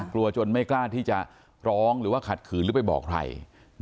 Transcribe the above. จนไม่กล้าที่จะร้องหรือว่าขัดขืนหรือไปบอกใคร